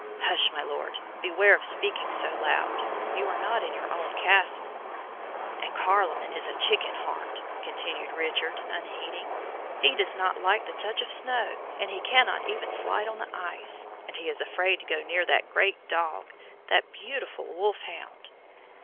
"Hush, my Lord! beware of speaking so loud. You are not in your own Castle." "And Carloman is a chicken heart," continued Richard, unheeding. "He does not like to touch snow, and he cannot even slide on the ice, and he is afraid to go near that great dog that beautiful wolf hound."